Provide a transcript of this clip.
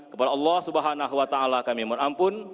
kepada allah swt kami memanampun